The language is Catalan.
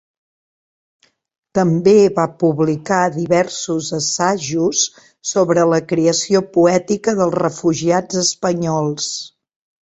També va publicar diversos assajos sobre la creació poètica dels refugiats espanyols.